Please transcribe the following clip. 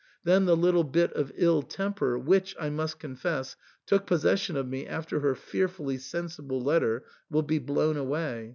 Then the little bit of ill temper, which, I must confess, took possession of me after her fearfully sensible letter, will be blown away.